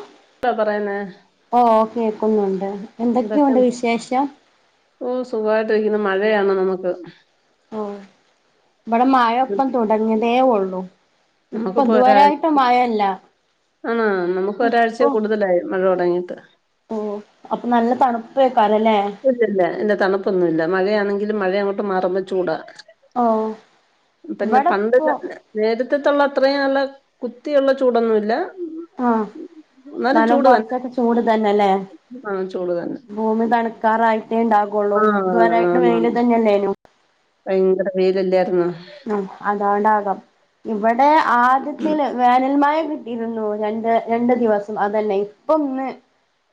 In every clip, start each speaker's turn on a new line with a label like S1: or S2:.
S1: ആഹ...
S2: എന്താ പറയന്നേ.
S1: ഓ കേക്കുന്നുണ്ട്
S2: എന്തൊക്കെ
S1: എന്തൊക്കെയുണ്ട് വിശേഷം.....
S2: ഓ സുഖായിട്ട ഇരിക്കുന്ന മഴയാണ് നമുക്ക്.....
S1: ഓ ഇവിടെ
S2: ഉം.
S1: മഴപ്പം തുടങ്ങി തേ ഒള്ളു
S2: നമുക്കിപ്പോ ഒരാഴ് ആ നമുക്ക് ഒരാഴ്ച
S1: ഇപ്പൊ
S2: കൂടുതലായി മഴ തുടങ്ങിയിട്ട്....
S1: ഓ അപ്പൊ നല്ല തണുപ്പായിക്കാരലെ..
S2: എന്റെ തണുപ്പൊന്നും ഇല്ല മഴയാ ആണെങ്കിലും മഴ അങ്ങോട്ട മാറുമ ചൂടാ....
S1: ഓ
S2: പിന്നെ പണ്ട്
S1: ഇവിടെപ്പോ
S2: നേരത്തെത്തുള്ള അത്രയും നല്ല കുത്തിയുള്ള ചൂടൊന്നുല്ല....
S1: ആഹ നാലും
S2: തന്നെ
S1: കൊറച്ചൊക്കെ ചൂട് തന്നെല്ലേ....
S2: ആ ചൂട് തന്നെ
S1: ഭൂമി തണുക്കാറായിട്ടേ ഉണ്ടാകുള്ളൂ
S2: ആ
S1: ഇതുവരായിട്ട്
S2: ആണാണ്
S1: വെയിലതന്നെ തന്നെയല്ലേനു...
S2: ഭയങ്കര വെയിലല്ലായിുന്നോ...
S1: ഉ അതുകൊണ്ടാകാം ഇവിടെ
S2: ഉം.
S1: ആദ്യത്തില് വേനൽമഴ.. രുന്നു രണ്ട് രണ്ട് ദിവസം അതന്നെ ഇപ്പൊന്ന്..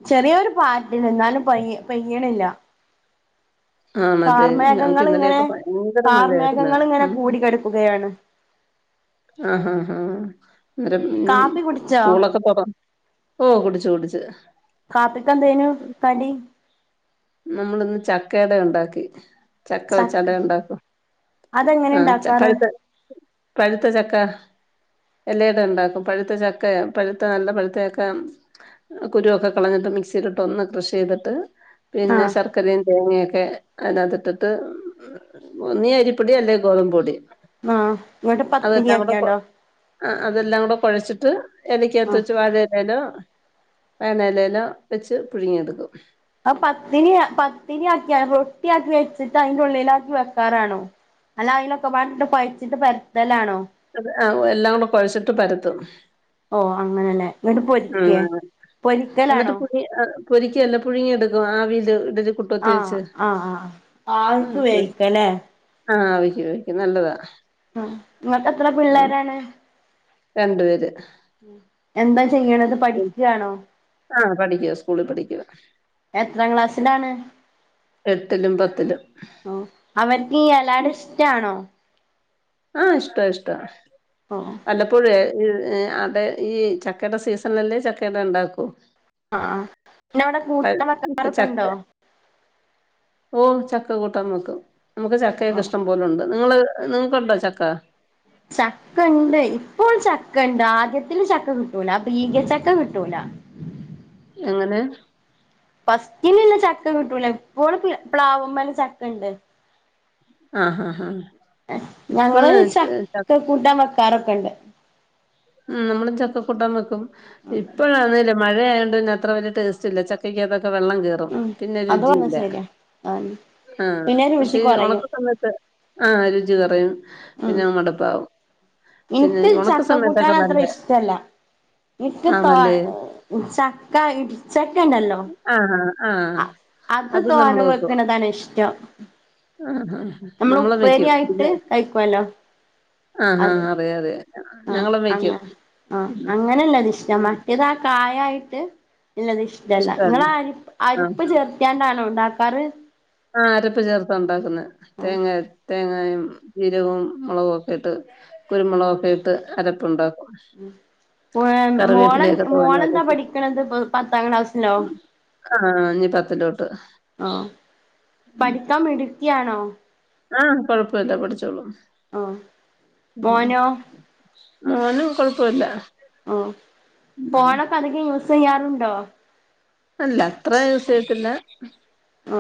S1: ചെറിയൊരു പാട്ടില് എന്നാലും പയ്യ പെയ്യിണില്ല....
S2: ആണല്ലേ ഞങ്ങക്ക്
S1: കാർമേഘങ്ങ ള്ങ്ങനെ
S2: ഇന്നലെയൊക്കെ ഭയങ്കര മഴയായിരുന്നു
S1: കാർമേഘങ്ങള് ഇങ്ങനെ
S2: ഉം
S1: കൂടി കെടുക്കുകയാണ്..
S2: ആഹഹ ആഹ്.... നേര
S1: കാപ്പി കുടിച്ചോ
S2: സ്കൂളൊക്കെ പോറ ഓ കുടിച്ചു കുടിച്ചു...
S1: കാപ്പിക്കന്തോയിനുകടി..
S2: നമ്മളിന്ന് ചക്കേട ഉണ്ടാക്കി.... ചക്ക വെച്ച് അടളണ്ടാക്കും
S1: അതെങ്ങനെ
S2: ആ ചക്ക
S1: ഇണ്ടാക്കാറ്
S2: ഴുത്ത പഴുത്ത ചക്ക.. എല്ല എട ഉണ്ടാക്കും പഴുത്ത ചക്ക പഴത്ത നല്ല പഴുത്ത ചക്ക.. കുരുവൊക്കെ കളഞ്ഞിട്ട് മിക്സിലിട്ട് ഒന്ന് ക്രഷ് യ്തിട്ട്..... പിന്നെ
S1: ആഹ്
S2: ശർക്കരയും തേങ്ങയൊക്കെ അതിനകതിട്ടിട്ട്.. ഒന്നീഅരിപ്പൊടി അല്ലെ ഗോത പൊടി....
S1: ആഹ ഇങ്ങട്ട് പത്തിരിയാക്കെയണ്ടോ...
S2: ആ അതെല്ലാം കൂടെ കുഴച്ചിട്ട് എലക്കാത്ത്
S1: ആഹ്
S2: വെച്ച് വാഴേലോ വയണെലേലോ വെച്ച് പുഴുങ്ങിയെടുക്കും
S1: ആ പത്തിരി അ പത്തിരി ആക്കിയ റൊട്ടിയാക്കി വെച്ചിട്ട് അതിന്റെഉള്ളില് ആക്കി വെക്കാനാണോ അല്ല അതിലൊക്കെ പാടെ ഇട്ട് കൊഴച്ചിട്ട് പരുത്തലാണോ
S2: അത എല്ലാം കൂടെ കുഴച്ചിട്ട് പരത്തും
S1: ഓ അങ്ങനെല്ലേ എന്നിട്ട്
S2: ഉം
S1: പൊരിക്കേ
S2: എന്നിട്ട്
S1: പൊരിക്കലാണോ
S2: പുഴി പൊരിക്കല്ല പുഴുങ്ങിയെടുക്കും ആവില് ഇഡലി കു
S1: ആ ആ ആവിക്ക് വേവിക്കലെ
S2: ആവിക്ക് വേവിക്കും നല്ലതാ
S1: ങ്ങൾക്ക് എത്ര
S2: ഉം
S1: പിള്ളേരാണ്
S2: രണ്ടു പേര്
S1: എന്താ ചെയ്യണത് പഠിക്കയാണോ
S2: പഠിക്കുവ സ്കൂളിൽ പഠിക്കുവ
S1: എത്രാം ക്ലാസ്സിലാണ്
S2: എട്ടിലും പത്തിലും
S1: അവർക്ക് ഈ എലടഇഷ്ടണോ
S2: ആഹ ഇഷ്ട ഇഷ്ടുവ
S1: ഉം
S2: വല്ലപ്പോഴുവേ ഇ ഇ അടെ ഈ ചക്കേട സീസണിലല്ലേ ചക്കട ഉണ്ടാക്കൂ
S1: ആ പിന്നെ അവിടെ കൂട്ട [unintelligible] ആൾക്കാരൊക്കെ ഉണ്ടോ
S2: ഓഹ് ചക്ക കൂട്ടാൻ വെക്കും നമുക്ക് ചക്കയൊക്കെ
S1: ഓ
S2: ഇഷ്ടം പോലുണ്ട് നിങ്ങള് നിങ്ങക്കുണ്ടോ ചക്ക
S1: ചക്കണ്ട് ഇപ്പോൾ ചക്കണ്ട് ആദ്യത്തില് ചക്ക കിട്ടൂല ബീഗ ചക്ക കിട്ടൂല
S2: എങ്ങനെ
S1: ഫസ്റ്റിലിള്ള ചക്ക കിട്ടൂല ഇപ്പോൾ പ്ലാവമ്മേലെ ചക്ക ഉണ്ട്
S2: ആഹ് ഹ ഹാ
S1: ഞങ്ങള്
S2: ഇപ്പഴ് ച
S1: ചക്ക കൂട്ടാൻ വെക്കാറൊക്കെണ്ട്
S2: ഉം നമ്മള് ചക്കക്കൂട്ടൻ വെക്കും ഇപ്പഴാണേളും മഴയായോണ്ട്ന്ന അത്ര വലിയ ടേസ്റ്റ് ഇല്ല ചക്കക്കാത്തക്കെ വെള്ളം കേറി
S1: ഉം
S2: [unintelligible] പിന്നെ
S1: അത് പറഞ്ഞ
S2: രുചിയില്ല
S1: ശരിയാ ആഹ്
S2: ആഹ്
S1: പിന്നെ രുചി
S2: പക്ഷേ
S1: കുറയും
S2: ഒണക്ക സമയത്ത് ആഹ് രുചി കൊറയും പിന്നെ മട്പ്പാവും
S1: ഇൻക്ക് ചക്ക കൂട്ടാൻ അത്ര ഇഷ്ടല്ല ഇക്ക് തോ
S2: ആണല്ലേ
S1: ചക്ക ഇടിചക്കണ്ടല്ലോ
S2: ആഹ് ആഹ്
S1: അത് തോരൻ
S2: നമ്മള് വെക്കും
S1: വെക്കണതാണ് ഇഷ്ടം
S2: ആഹ് ആഹ്
S1: നമ്മള്
S2: നമ്മളും
S1: ഉപ്പേരി
S2: വെക്കും
S1: ആയിട്ട്
S2: പിന്നെ
S1: കഴിക്കുവല്ലോ
S2: ആഹ്
S1: അത്
S2: ആഹാ അറിയാം അറിയാം
S1: ആഹ്
S2: ഞങ്ങളും വെക്കും
S1: അങ്ങനെ ആഹ്
S2: ഉം
S1: അങ്ങനെള്ളത് ഇഷ്ട്ടാ മ റ്റേത് ആകായായിട്ട് ഇള്ളത് ഇഷ്ട്ടല്ല
S2: ഇഷ്ടാണ്
S1: നിങ്ങളാ അരിപ്പ്
S2: ആഹ്
S1: അരിപ്പ് ചേർത്ത് ട്ടാണോ ഉണ്ടാക്കാറ്
S2: ആഹ് അരപ്പ് ചേർത്താ ഉണ്ടാക്കുന്നെ
S1: ആഹ്
S2: തേങ്ങ അര തേങ്ങായും ജീരകവും മുളകും ഒക്കെ ഇട്ട് കുരുമുളകൊക്കെട്ട് അരപ്പ് ഉണ്ടാക്കും
S1: മോള മോളെന്താ മോളെന്താ
S2: തോനെയായിട്ട്
S1: പഠിക്കണത് പത്താം ക്ലാസ്സിലോ
S2: ആഹ് ഇനി പത്തിലോട്ട്
S1: ആഹ് പഠിക്കാൻ മിടുക്കിയാണോ
S2: ആഹ് കൊഴപ്പില്ല പഠിച്ചോളും
S1: ആഹ് മോനോ
S2: മോനും കൊഴപ്പമില്ല
S1: ഉം ഫോണൊക്കെ അധികം യൂസ് ചെയ്യാറുണ്ടോ
S2: അല്ല അത്ര യൂസ് ചെയ്യത്തില്ല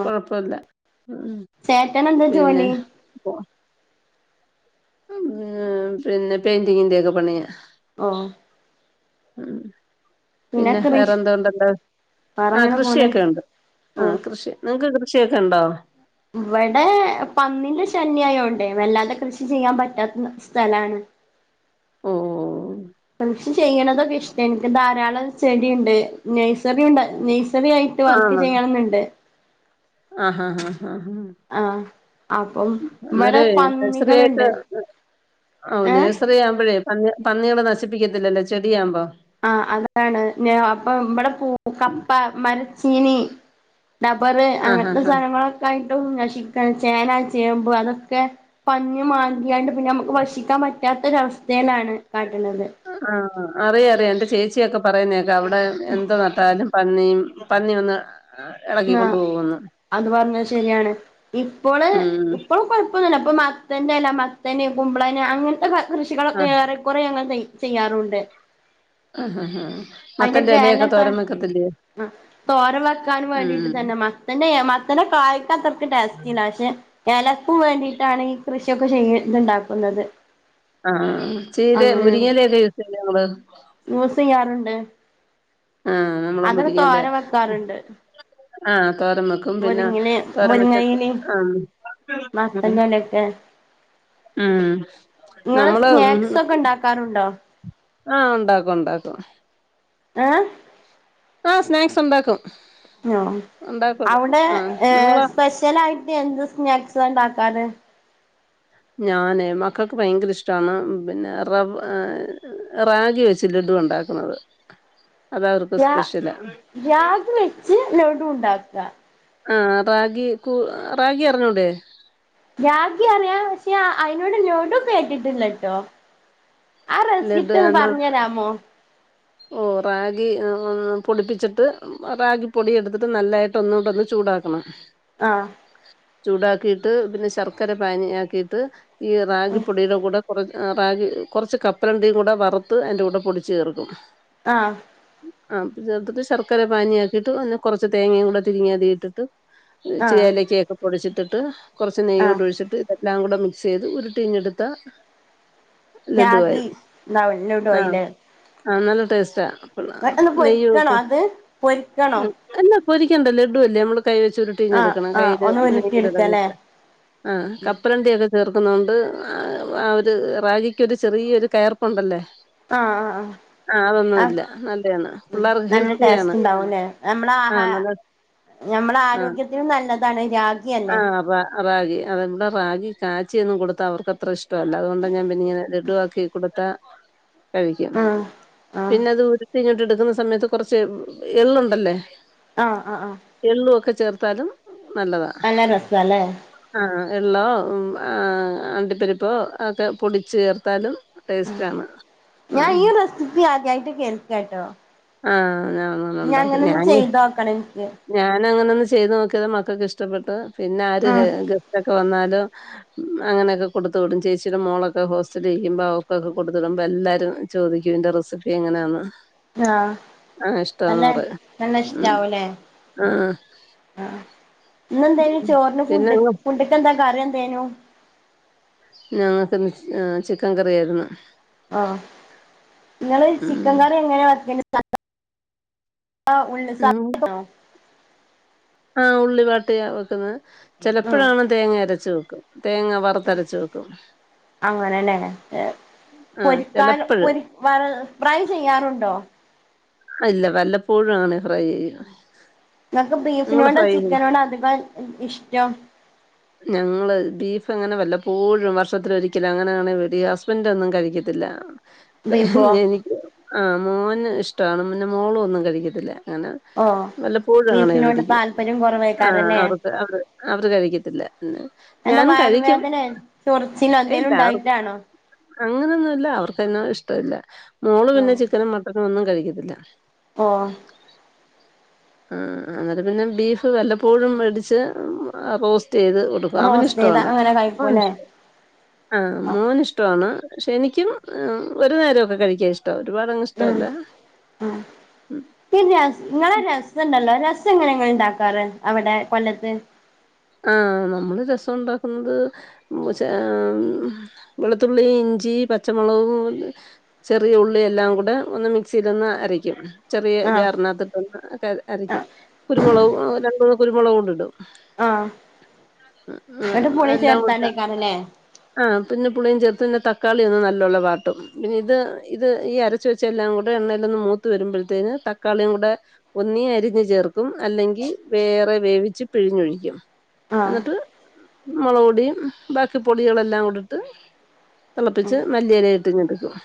S2: കൊഴപ്പില്ല ഉം
S1: ചേട്ടന് എന്താ ജോലി
S2: ഓ ഉം പിന്നെ പെയിന്റിങ്ങിന്റെ ഒക്കെ പണിയാ
S1: ഓഹ്
S2: ഉം പിന്നെ വേറെ എന്തോണ്ടണ്ട് ആഹ്
S1: വേറെങ്ങനെ പോണ്
S2: കൃഷിയൊക്കെ ഒണ്ട്
S1: ഓഹ്
S2: ആഹ് കൃഷി നിങ്ങൾക്ക് കൃഷിയൊക്കെണ്ടോ
S1: ഇവിടെ പന്നിന്റെ ശല്യായോണ്ടേ വല്ലാതെ കൃഷി ചെയ്യാൻ പറ്റാത്ത സ്ഥലാണ്
S2: ഓഹ് ഓഹ് ഓഹ്
S1: കൃഷി ചെയ്യണതൊക്കെ ഇഷ്ടേണ് എനിക്ക് ധാരാളം ചെടിയുണ്ട് നേഴ്സറിയുണ്ട് നേഴ്സറി ആയി റ്റ്‌ വർക്ക്
S2: ആണോ
S1: ചെയ്യണംന്ന്ണ്ട്
S2: ആഹ് ഹാ ഹാ ഹാ അഹ്
S1: ആഹ് അപ്പം ഇവിടെ
S2: അന്നരേ നഴ്സറി ആയിട്ട്
S1: പന്നികളുണ്ട്
S2: ആവു
S1: ഏഹ്
S2: നേഴ്സറി ആവുമ്പഴേ പന്നി പന്നികള് നശിപ്പിക്കത്തില്ലല്ലേ ചെടിയാവുമ്പം
S1: ആഹ് അതാണ് പിന്നെ അപ്പം ഇവിടെ പൂ കപ്പ മരച്ചീനി ഡബ്ബറ്
S2: ആഹ്
S1: അങ്ങൻത്തെ
S2: ആഹ്
S1: സാധനങ്ങളൊക്കെ ആയിട്ടും നശിക്കാൻ ചേന ചേമ്പ് അതൊക്കെ പന്നി മാന്തിയാണ്ട് പിന്നെ
S2: ആഹ്
S1: ഞമുക്ക് വക്ഷിക്കാൻ പറ്റാത്തൊരു അവസ്ഥേലാണ് കാട്ട്ണത്
S2: ആഹ് അറിയാ അറിയാം എന്റെ ചേച്ചിയൊക്കെ പറയുന്നേക്കാം അവിടെ എന്ത് നട്ടാലും പന്നീം പന്നി വന്ന്
S1: ആഹ്
S2: എളക്കിക്കൊണ്ട് പോകുന്ന്
S1: അത് പർഞ്ഞത് ശരിയാണ് ഇപ്പോള്
S2: ഉം
S1: ഇപ്പോള് കൊഴ് ഇപ്പൊന്നില്ല ഇപ്പം മത്തൻ്റെ അല്ല മത്തന് കുമ്പളന് അങ്ങനത്തെ ക കൃഷികളൊക്കെ
S2: ആഹ്
S1: ഏറെ കൊറേ ഞങ്ങൾ ചെയ് ചെയ്യാറുണ്ട്
S2: ആഹ് ആഹ് ആഹ്
S1: അയിന്റെ
S2: മത്തന്റെ എലയൊക്കെ
S1: ഗ്രാനെന്താ
S2: തോരൻ വെക്കത്തില്ലേ
S1: ആഹ് തോര വെക്കാനും വേണ്ടി
S2: ഉം
S1: ഇത് തന്നെ മത്തന്റെ മത്തന് കായ്ക്കാത്രക്ക് ടേസ്റ്റില്ല പക്ഷേ ഏലക്കും വേണ്ടിയിട്ടാണ് ഈ കൃഷിയൊക്കെ ചെയ്യ് ഇതുണ്ടാക്കുന്നത്
S2: ആഹ് ആഹ് ആഹ് ചീര മുരിങ്ങേല ഒക്കെ യൂസെയ്യോ നിങ്ങള്
S1: യൂസെയ്യാറുണ്ട്
S2: ആഹ് നമ്മള മുരിങ്ങല്ലേ
S1: വെക്കാറുണ്ട്
S2: ആഹ് തോരൻ വെക് ക്കും പിന്ന
S1: മുരിങ്ങയില്
S2: തോരൻ വെച്ചിട്ട്
S1: മുരിങ്ങയില്
S2: ആഹ് ഉം
S1: മത്തന്റെ എലയൊക്കെ
S2: ഉം
S1: നിങ്ങള്
S2: നമ്മള് ഉം
S1: സ്നാക്സ് ഒക്കെ ഉണ്ടാക്കാറുണ്ടോ
S2: ആഹ് ഒണ്ടാക്കും ഒണ്ടാക്കും
S1: ഏ
S2: ആഹ് സ്നാക്സ് ഒണ്ടാക്കും
S1: അവിടെ
S2: നിങ്ങളോ
S1: സ്പെഷ്യൽ ആയിട്ട് എന്ത് സ്നാക്സാ ഒണ്ടാക്കാല്
S2: ഞാനേ മക്കൾക്ക് ഭയങ്കര ഇഷ്ടാണ് പിന്നെ റവ് റാഗി വെ ച്ച് ലഡു ഒണ്ടാക്കുന്നത് അത് അവർക്ക്
S1: രാ
S2: സ്പെഷ്യലാ
S1: രാഗി വെച്ച് ലഡു ഉണ്ടാക്കാ
S2: ആഹ് റാഗി കു റാഗി അറിഞ്ഞൂടേ
S1: രാഗി അറിയാം പക്ഷേ അയിനോട് ലോഡുകേട്ടിട്ടില്ലാട്ടോ ആഹ്
S2: ലഡു
S1: റെസിപ്പി ഒന്ന്
S2: എന്നാ
S1: പറഞ്ഞെരാമോ
S2: ഓ റാഗി പൊടിപ്പിച്ചിട്ട് റാഗി പൊടി എടുത്തിട്ട് നല്ലായിട്ട് ഒന്നൂടത് ചൂടാക്കും ക്കണ്
S1: ആഹ്
S2: ചൂടാക്കിയിട്ട് പിന്നെ ശർക്കര പാനി ആക്കിട്ട് ഈ റാഗിപ്പൊടീടെ കൂടെ കൊറച്ച് റാഗി കൊറച്ച് കപ്പലണ്ടിയും കൂടെ വറുത്ത് അയിൻ്റെ കൂടെ പൊടിച്ച് ചേർക്കും
S1: ആഹ്
S2: ആഹ് ചേർത്തിട്ട് ശർക്കര പാനിയൊക്കെയിട്ട് ഒന്ന് കൊറച്ച് തേങ്ങയും കൂടെ തിരിങ്ങി അതി ഇട്ടിട്ട് ച്ചിരി
S1: ആഹ്
S2: ഏലക്കേക്ക പൊടിച്ചിട്ടിട്ട് കുറച്ച് നെയ്യൂട
S1: ആഹ്
S2: ഒഴിച്ചിട്ട് എല്ലാം കൂടെ മിക്സ് ചെയ്ത് ഉരുട്ടിയിങ്ങെടുത്ത ലഡുവായി
S1: രാഗി ഉണ്ടാവും ലഡു
S2: ആഹ്
S1: ആയില്ലേ
S2: ആഹ് നല്ല ടേസ്റ്റാ
S1: ഒന്ന്
S2: നെയ്യ്
S1: പൊരിക്കണോ
S2: ഇടും
S1: അത് പൊരിക്കണോ
S2: ആഹ് എന്നാ പൊരിക്കണ്ട ലെ ലഡുവല്ലേ നമ്മള് കൈ വെച്ച് ഉ
S1: ആഹ്
S2: രുട്ടിങ്ങെടുക്കണം
S1: ആഹ്
S2: കയ്യില്
S1: ഒന്ന്
S2: നെയ്യ്
S1: ഉരുട്ടിയെടുക്കല്ലേ
S2: തടവിട്ട് ആഹ് കപ്പലണ്ടി ഒക്ക ചേർക്കുന്നോണ്ട് ആഹ് ഒര് റാഗിക്കൊര് ചെറിയൊര് കയർപ്പുണ്ടല്ലേ
S1: ആഹ് ആഹ് ആഹ്
S2: അതൊന്നുമില്ല നല്ലയാണ്
S1: ആഹ്
S2: പിള്ളേർക്ക്
S1: നല്ല
S2: ഹെൽത്തിയാണ്
S1: ടേസ്റ്റ് ണ്ടാവും ല്ലേ നമ്മൾ ആഹാ
S2: ആഹ് നല്ല
S1: നമ്മള
S2: ആഹ്
S1: ആരോഗ്യത്തിനും നല്ലതാണ് രാഗി അല്ലെ
S2: ആഹ് റാ റാഗി അത് ന്താ റാഗി കാച്ചിയൊന്നും കൊടുത്താ അവർക്ക് അത്ര ഇഷ് ല്ലാ അതുകൊണ്ട് ഞാൻ പിന്നെ ഇങ്ങനെ ലഡുവാക്കി കൊടുത്താ കഴിക്കും
S1: ആഹ് ആഹ്
S2: പിന്നെ ഇത് ഉരുട്ടിങ്ങട്ട് എടുക്ന്ന സമയത്ത് കുറച്ച് എള്ളുണ്ടല്ലേ
S1: ആഹ് ആഹ്
S2: എള്ളുക്കെ ചേർത്താലും നല്ലതാ
S1: നല്ല രസാ ലെ
S2: ആഹ് എള്ളോ മ്മ് ആഹ് അണ്ടിപ്പരിപ്പോ ഒക്കെ പൊടിച് ചേർത്താലും ടേസ്റ്റ് ആണ്
S1: ഞാൻ ഈ റെസിപ്പി ആദ്യയായിട്ട് കേൾക്ക് ട്ടോ
S2: ആഹ് ഞാൻ
S1: ഞ അങ്ങനോന്ന് ചെയ്തോക്കണം ഇൻക്ക്
S2: ഞാൻ അങ്ങനെ ഒന്ന് ചെയ്ത് നോക്കിയത് മക്കൾക്ക് ഇഷ്ടപ്പെട്ട് പിന്നെ ആര്
S1: ആഹ്
S2: ഗസ്റ്റ് ഒക്കെ വന്നാലും അങ്ങനോക്കെ കൊടുത്ത് വിടും ചേച്ചിയുടെ മോളൊക്കെ ഹോസ്റ്റല് ഇരിക്കുമ്പോ അവക്കൊക്ക കൊടുത്ത് വിടുമ്പോ എല്ലാരും ചോദിക്കൂ ഇതിന്റെ റെസിപ്പി എങ്ങനാന്ന്.
S1: ആഹ് അല്ലെ നല്ല
S2: ഉം
S1: ഇഷ്ടാവൂലേ
S2: ആ
S1: ആഹ് ഇന്ന് എന്തേനി
S2: ഉം.
S1: ചോർന് ഫുണ്ട്
S2: പിന്നെ
S1: ഫുഡ്‌ ക്ക് എന്താ കറി എന്തേനു?
S2: ഞങ്ങക്ക് ഇന്ന് ആഹ് ചിക്കൻ കറിയായിരുന്ന്
S1: ആഹ് ങ്ങള് ചിക്കൻ കറി എങ്ങനാ വക്കല് താ ആഹ് ഉള്ളി [unintelligible]
S2: ആഹ് ഉള്ളി വാട്ടിയാ വെക്കുന്നെ
S1: ഉം
S2: ചലപ്പോഴാണ് തേങ്ങ അരച്ച് വെക്കും തേങ്ങ വറുത്തരച്ച് വെക്കും
S1: അങ്ങനെ ലെ
S2: ആ
S1: പൊരിക്കാനും
S2: ചെലപ്പഴ്
S1: പൊരി ഫ്രൈ ചെയ്യാറുണ്ടോ?
S2: ഇല്ല വല്ലപ്പോഴു ആണ് ഫ്രൈ ചെയ്യു
S1: ഇങ്ങക്ക് ബീഫിനോടോ ചിക്കനോടോ അതികം ഇഷ്ടം
S2: ഞങ്ങള് ബീഫ് അങ്ങന വല്ലപ്പോഴും വർഷത്തില് ഒരിക്കലാ അങ്ങനെയാണ് വെടിയ ഹസ്ബൻഡ് ഒന്നും കഴിക്കത്തില്ല
S1: ബീഫോ
S2: എനിക്ക് ആഹ് മോന് ഇഷ്ടാണ് പിന്നെ മോളും ഒന്നും കഴിക്കത്തില്ല. അങ്ങന
S1: ഓ
S2: വല്ല പ്പോഴു ആണേ
S1: ബീഫിനോട്
S2: വെടിക്കും
S1: താല്പര്യം
S2: ആഹ്
S1: കുറവേക്കാരല്ലേ
S2: അവർക്ക് അവർ അവർ കഴിക്കത്തില്ല
S1: എന്താ
S2: ഞാനും കഴിക്കും
S1: വയറുവേദന ചൊറിച്ചിലോ എന്തേലും
S2: എന്താറും
S1: ഉണ്ടായിട്ടാണോ
S2: അങ്ങനെയൊന്നുല്ല അവർക്കന്നെ ഇഷ്ട്ടോല്ല മോള്
S1: ഓ
S2: പിന്നെ ചിക്കനും മട്ടനും ഒന്നും കഴിക്കത്തില്ല.
S1: ഓ
S2: ആഹ് അന്നേര പിന്ന ബീഫ് വല്ലപ്പോഴും മേടിച്ച് റോസ്റ്റ് ചെയ്ത് കോ അവന്
S1: റോസ്റ്റ് ചെയ്ത
S2: ഇഷ്ട്ടോണ്
S1: അങ്ങനെ
S2: മോൻ
S1: കഴിക്കൂല്ലേ
S2: ആഹ്
S1: ആ
S2: മോന് ഇഷ് ഇഷ്ട്ടോണ് പക്ഷെ എനിക്കും ഒരു നേരോക്കെ കഴിക്കാൻ ഇഷ്ടാ ഒരുപാടങ്ങ് ഇഷ്ട്ടോല്ല
S1: ആഹ് പിൻങ്ങളെ രസ് [unintelligible] രസ എങ്ങനെ ങ്ങൾ ണ്ടാക്കാറ് അവിടെ കൊല്ലത്ത്
S2: ആഹ് നമ്മള് രസം ണ്ടാക്കുന്നത് വെളുത്തുള്ളി ഇഞ്ചി പച്ചമുളകും ചെറിയ ഉള്ളി എല്ലാം കൂടെ ഒന്ന് മിക്സിൽ ഒന്ന് അരയ്ക്കും ചെറിയ
S1: ആഹ്
S2: ജാറ്നാത്ത് ഇട്ടോണ്ട് ഒക്ക അരക്കിയും
S1: ആഹ്
S2: കുരുമുളകും രണ്ട് ഉരുള കുരുമുളകൂടെ ഇടും.
S1: ആഹ് എന്നിട്ട് പുളി
S2: എല്ലാം കൂടെ
S1: ചേർത്തലെ ക്കാരം ല്ലേ
S2: ആ പിന്നെ പുള്ളിയും ചേർത്ത്ന്നന്റെ തക്കാളി ഒന്നും നല്ല വാട്ടും പിന്നെ ഇത് ഇത് ഈ അര ച്ച് വെച്ച എല്ലാം കൂടെ എണ്ണയിലൊന്ന് മൂത്ത് വരുമ്പഴത്തേന് തക്കാളിയും കൂടെ ഒന്നി അരിഞ്ഞ് ചേർക്കും അല്ലെങ്കിൽ വേറെ വേവിച്ച് പിഴിഞ്ഞൊഴിക്കും.
S1: ആഹ്
S2: എന്നിട്ട് മുളക് പൊടിയും ബാക്കി പൊളികളെല്ലാം ഇടുട്ട് തിളപ്പിച്ച് മല്ലിയല്ല ഇട്ട് ഞ്ഞെടുക്കും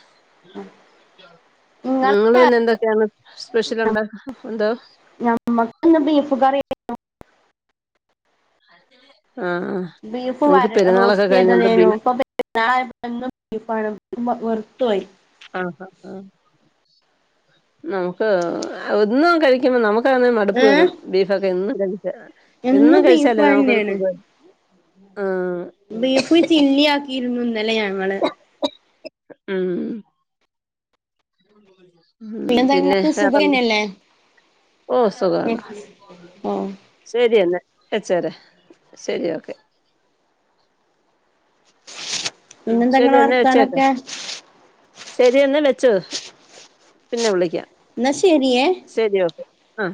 S2: നിങ്ങള് പിന്നെ എന്തൊക്കെയാണ് സ്പെഷ്യൽ ഉണ്ട എന്തോ
S1: ബീഫുകറിയ
S2: [unintelligible] ആഹ ആ
S1: ബീഫ്
S2: നിങ്ങൾക്ക്
S1: വര
S2: പെരുന്നാളൊക്കെ
S1: റോസ്റ്റ്
S2: കഴിഞ്ഞോണ്ട്
S1: ചെയ്തതിനും
S2: ബീഫ്
S1: [unintelligible] വെറുത്തോയ്
S2: ആ ആ നമുക്ക് ഒന്നും കഴിക്കുമ്പോ നമുക്ക് ഒ മടുപ്പ്
S1: ഏഹ്
S2: വരും ബീഫ്ക്കെ എന്നും കഴി എന്നും
S1: ബീഫ്
S2: കഴിച്ചാലേ നമുക്കൊരു
S1: തന്നെയാണ്
S2: സുഖ ആ
S1: ബീഫ് ചില്ലി ആക്കിയിരുന്നുന്നല്ലേ ഞങ്ങള്
S2: മ് [unintelligible] ഉ
S1: പിന്നെന്താ
S2: പിന്നെ
S1: ഇങ്ങക്ക്
S2: വേറെന്ത
S1: സുഖന്നല്ലേ
S2: ഓ സുഖാട
S1: ഓ
S2: ശരിയെന്നാ വെച്ചരാ ശരി ഓക്കെ ഉ
S1: പിന്നെന്താ
S2: ശരി
S1: ഇങ്ങളെ
S2: എന്നാ വെച്ചേട്ട
S1: വർത്താനൊക്കെ
S2: ശരിയെന്നെ വെച്ചോ പിന്നെ വിളിക്കാം
S1: എന്നാ ശരിയ
S2: ശരി ഓക്കെ ആഹ്